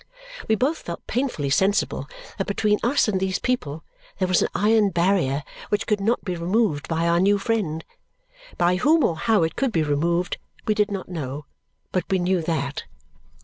We both felt painfully sensible that between us and these people there was an iron barrier which could not be removed by our new friend. By whom or how it could be removed, we did not know, but we knew that.